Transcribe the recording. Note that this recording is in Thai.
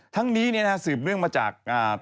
ทั้งนี้สืบเนื่องมาจาก